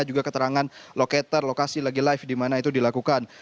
juga keterangan locator lokasi lagi live di mana itu dilakukan